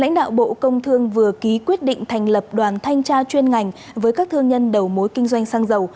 lãnh đạo bộ công thương vừa ký quyết định thành lập đoàn thanh tra chuyên ngành với các thương nhân đầu mối kinh doanh xăng dầu